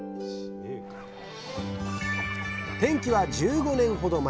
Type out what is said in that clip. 転機は１５年ほど前。